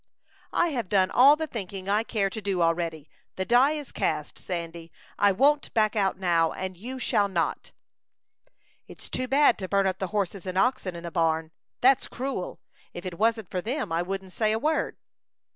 "I have done all the thinking I care to do already. The die is cast, Sandy. I won't back out now, and you shall not." "It's too bad to burn up the horses and oxen in the barn. That's cruel. If it wasn't for them, I wouldn't say a word."